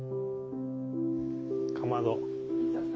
かまど。